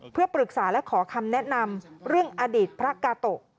เพื่อปรึกษาและขอคำแนะนำเรื่องอดีตพระกาโตะ